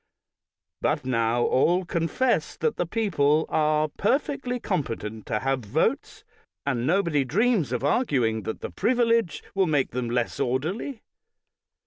But now all confess that the people are perfectly competent to have votes, and nobody dreams of arguing that the privilege will make them less orderly.